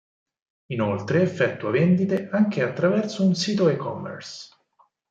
Inoltre effettua vendite anche attraverso un sito e-commerce.